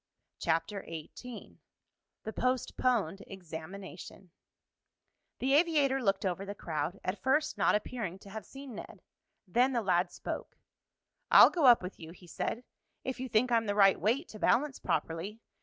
CHAPTER XVIII THE POSTPONED EXAMINATION The aviator looked over the crowd, at first not appearing to have seen Ned. Then the lad spoke. "I'll go up with you," he said, "if you think I'm the right weight to balance properly.